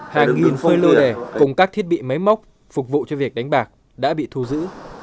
hàng nghìn phơi lô đề cùng các thiết bị máy móc phục vụ cho việc đánh bạc đã bị thu giữ